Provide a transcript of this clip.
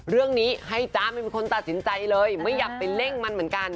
เรื่องนี้ให้จ๊ะไม่มีคนตัดสินใจเลยไม่อยากไปเร่งมันเหมือนกัน